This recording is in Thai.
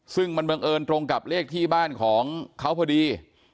ซึ่งมันบังเอิญตรงกับเลขที่บ้านของเขาพอดี